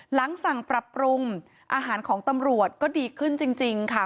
หลังสั่งปรับปรุงอาหารของตำรวจก็ดีขึ้นจริงค่ะ